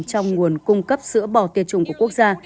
trong nguồn cung cấp sữa bò tiệt trùng của quốc gia